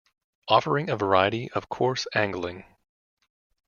Offering a variety of coarse angling.